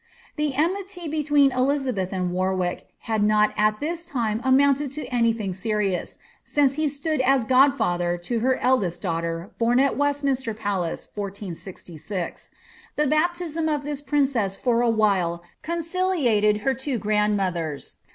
*he enmity between Elizabeth and Warwick had not at this time »unted to any thing serious, since he stood as godfather to her eldest ^hter, born at Westminster Palace, 1466. The baptism of this cess for a while conciliated her two grandmothers.